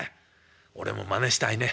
俺もまねしたいね。